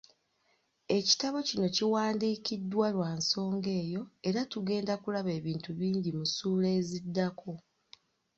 Ekitabo kino kiwandiikiddwa lwa nsonga eyo era tugenda kulaba ebintu bingi mu ssuula eziddako